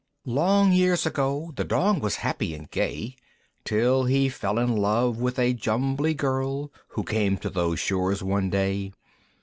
Long years ago The Dong was happy and gay, Till he fell in love with a Jumbly Girl Who came to those shores one day.